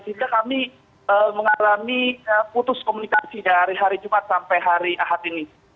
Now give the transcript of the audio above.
sehingga kami mengalami putus komunikasi dari hari jumat sampai hari ahad ini